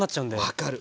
分かる。